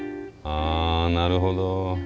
ああなるほど。